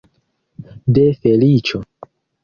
De feliĉo!